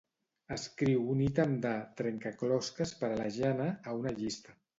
Escriu un ítem de "trencaclosques per la Jana" a una llista.